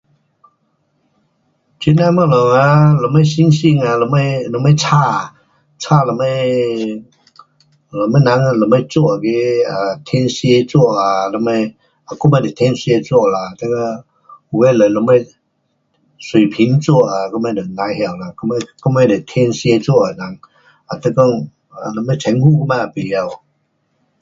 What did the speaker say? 这那东西啊，什么星星啊，什么什么星，星什么，什么人，什么座那个，天蝎座啊，什么，我也是天蝎座啦，那个有的是什么水瓶座，我们就甭晓啦，我们，我们是天蝎座的人，你讲什么称呼嘛不晓。